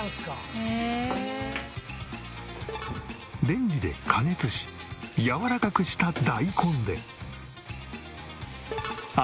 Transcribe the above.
レンジで加熱しやわらかくした大根で。